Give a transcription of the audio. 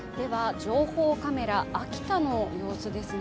情報カメラ、秋田の様子です。